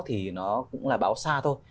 thì nó cũng là bão xa thôi